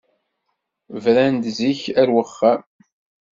Bren-d zik ar wexxam!